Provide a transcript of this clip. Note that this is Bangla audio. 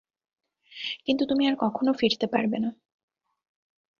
কিন্তু তুমি আর কখনো ফিরতে পারবে না!